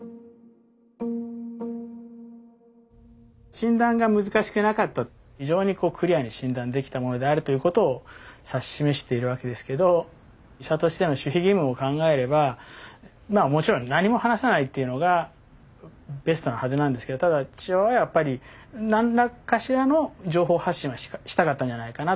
診断が難しくなかった非常にクリアに診断できたものであるということを指し示しているわけですけど医者としての守秘義務を考えればまあもちろん何も話さないっていうのがベストなはずなんですけどただ父親はやっぱり何かしらの情報発信はしたかったんじゃないかなと。